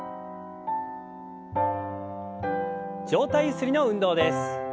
上体ゆすりの運動です。